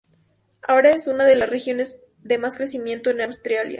Ahora es una de las regiones de más rápido crecimiento en Australia.